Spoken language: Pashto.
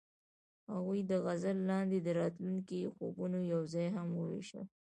هغوی د غزل لاندې د راتلونکي خوبونه یوځای هم وویشل.